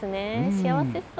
幸せそう。